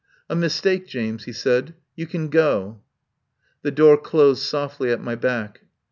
"A mistake, James," he said. "You can go." The door closed softly at my back.